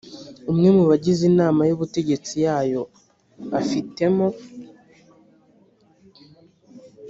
umwe mu bagize inama y ubutegetsi yayo afitemo